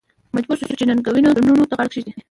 مجبور شو چې ننګینو تړونونو ته غاړه کېږدي.